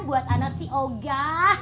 buat anak si oga